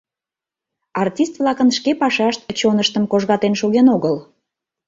Артист-влакын шке пашашт чоныштым кожгатен шоген огыл.